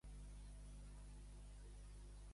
En què es basarà l'alternativa "grup"?